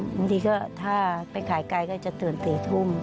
บางทีก็ถ้าไปขายไกลก็จะตื่น๔ทุ่ม